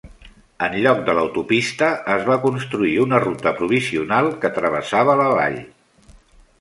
En lloc de l'autopista, es va construir una ruta provisional que travessava la vall.